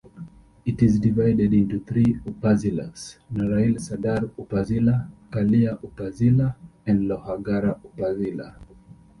It is divided into three upazilas: Narail Sadar Upazila, Kalia Upazila and Lohagara Upazila.